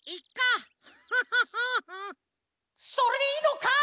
・それでいいのか！？